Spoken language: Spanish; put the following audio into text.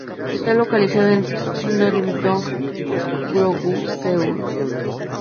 Está localizada en Sindorim-dong, Guro-gu, Seúl.